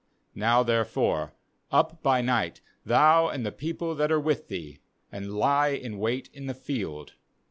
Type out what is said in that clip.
32Now therefore, up by night, thou and the people that are with thee, and lie in wait in the field.